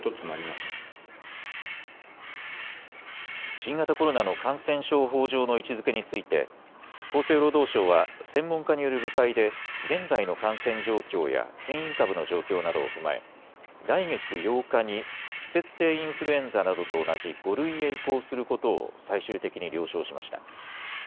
新型コロナの感染症法上の位置づけについて厚生労働省は専門家による部会で現在の感染状況や変異株の状況などを踏まえ、来月８日に季節性インフルエンザなどと同じ５類へ移行することを最終的に了承しました。